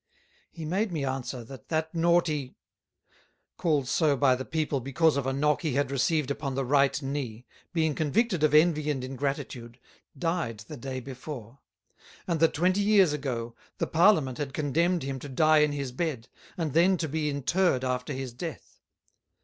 He made me answer, that that naughty [Illustration bar 2] called so by the People because of a knock he had received upon the Right Knee, being convicted of Envy and Ingratitude, died the day before; and that Twenty Years ago, the Parliament had Condemned him to die in his Bed, and then to be interred after his Death.